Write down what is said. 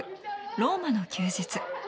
「ローマの休日」。